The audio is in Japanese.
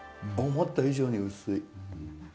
思った以上に薄い。